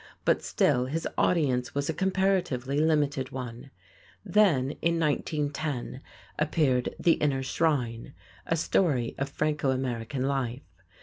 But still his audience was a comparatively limited one. Then, in 1910, appeared "The Inner Shrine," a story of Franco American life.